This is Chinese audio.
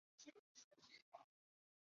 保证会给利息